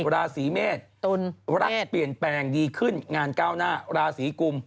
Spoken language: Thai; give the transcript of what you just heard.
ราศีเมษรักเปลี่ยนแปลงดีขึ้นงานก้าวหน้าราศีกุม